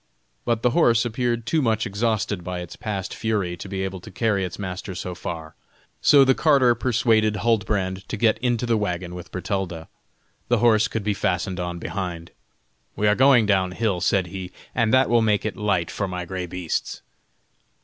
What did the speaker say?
But the horse appeared too much exhausted by its past fury to be able to carry its master so far, so the carter persuaded Huldbrand to get into the wagon with Bertalda. The horse could be fastened on behind. "We are going down hill," said he, "and that will make it light for my gray beasts."